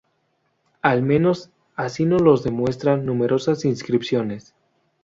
Al menos, así nos lo demuestran numerosas inscripciones.